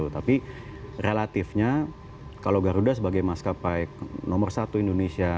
tapi relatifnya kalau garuda sebagai maskapai nomor satu indonesia